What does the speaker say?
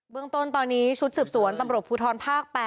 เมืองต้นตอนนี้ชุดสืบสวนตำรวจภูทรภาค๘